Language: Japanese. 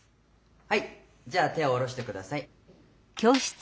はいじゃあ手を下ろしてください。